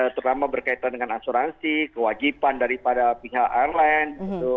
terutama berkaitan dengan asuransi kewajiban daripada pihak airline